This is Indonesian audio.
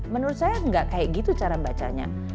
menurut saya nggak kayak gitu cara bacanya